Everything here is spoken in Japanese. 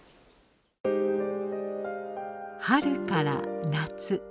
春から夏。